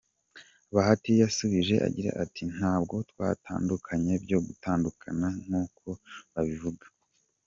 Bahati yasubije agira ati: “Ntabwo twatandukanye byo gutandukana nkuko babivuga.